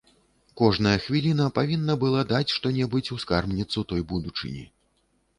Кожная хвіліна павінна была даць што-небудзь у скарбніцу той будучыні.